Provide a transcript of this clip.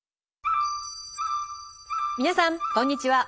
皆さんこんにちは。